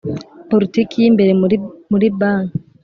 Politiki y imbere muri muri banki